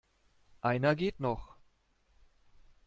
Einer geht noch.